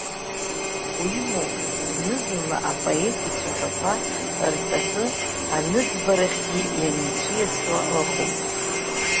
Уимоу, зны-зынла апоет ицәаҳәақәа рҵакы аныӡбарахьгьы ианицәыиасуа ыҟоуп.